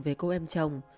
về cô em chồng